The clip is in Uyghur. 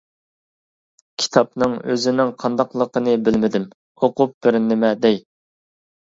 كىتابنىڭ ئۆزىنىڭ قانداقلىقىنى بىلمىدىم، ئوقۇپ بىر نېمە دەي.